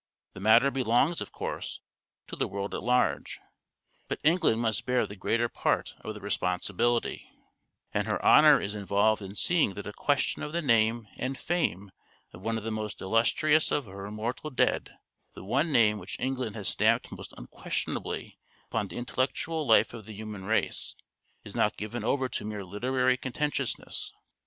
The matter belongs, of course, to the world at large. But England must bear the greater part of the responsibility; and her honour is involved in seeing that a question of the name and fame of one of the most illustrious of her immortal dead, the one name which England has stamped most unquestionably upon the intellectual life of the human race, is not given over to mere literary contentiousness.